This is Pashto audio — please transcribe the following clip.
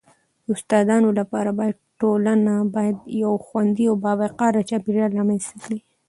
د استادانو لپاره باید ټولنه باید یو خوندي او باوقاره چاپیریال رامنځته کړي..